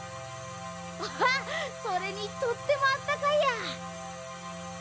アハッそれにとってもあったかいや。